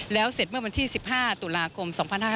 แล้วเสร็จเมื่อวันที่๑๕ตุลาคม๒๕๕๙